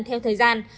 theo thời gian